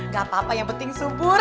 gak apa apa yang penting subur